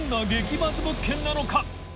バズ物件なのか？